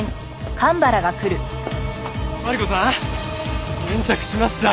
マリコさん現着しました！